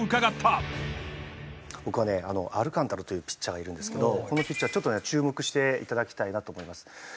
僕はねアルカンタラというピッチャーがいるんですけどこのピッチャーちょっとね注目していただきたいなと思います。